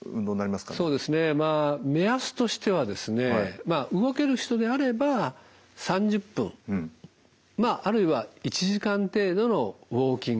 そうですねまあ目安としてはですね動ける人であれば３０分あるいは１時間程度のウォーキングですね。